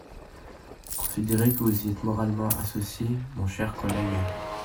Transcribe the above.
Considérez que vous y êtes moralement associé, mon cher collègue.